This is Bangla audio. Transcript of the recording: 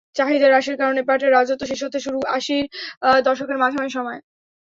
চাহিদা হ্রাসের কারণে পাটের রাজত্ব শেষ হতে শুরু আশির দশকের মাঝামাঝি সময়ে।